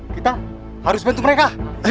kita harus bantu mereka